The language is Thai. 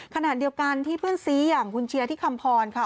ขณะเดียวกันที่เพื่อนซีอย่างคุณเชียร์ที่คำพรค่ะ